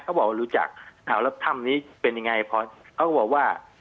เขาบอกว่ารู้จักถามแล้วถ้ำนี้เป็นยังไงพอเขาก็บอกว่า